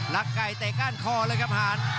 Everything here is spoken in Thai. ไก่เตะก้านคอเลยครับหาร